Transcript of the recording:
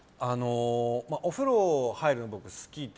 僕、お風呂に入るの好きで。